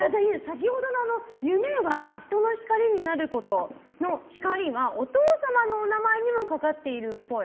先ほどの夢は人の光になることの「光」はお父様のお名前にもかかってるっぽい。